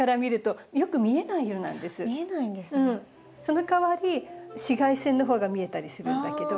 そのかわり紫外線の方が見えたりするんだけど。